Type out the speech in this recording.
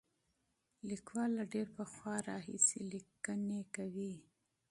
لیکوال له ډېر پخوا راهیسې لیکنې کوي.